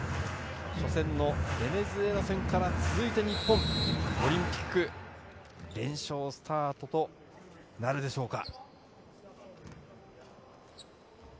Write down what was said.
初戦のベネズエラ戦から続いて日本オリンピック連勝スタートとなるでしょうか。